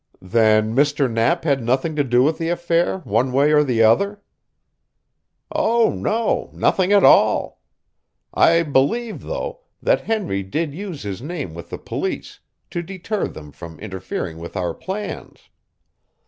"Then Mr. Knapp had nothing to do with the affair, one way or the other?" "Oh, no nothing at all. I believe, though, that Henry did use his name with the police, to deter them from interfering with our plans."